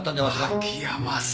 秋山さん。